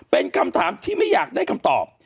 เป็นคำถามที่ไม่อยากได้คำตอบ